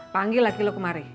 panggil laki lo kemari